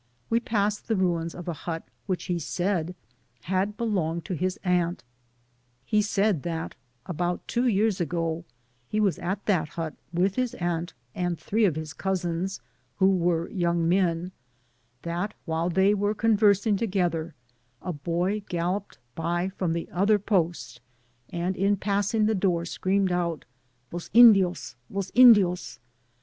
We passed the ruins of a hut which he said had belonged to his aunt — ^he said that, about two years ago, he was at that hut with his aunt and three of his cousins, who were young men — ^that while they were conversing together a boy gal Digitized byGoogk THB PAMPAS. 89 loped by from the other post, and in pacing the door screamed out, ^^ Los Indios! los Indios